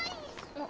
あ。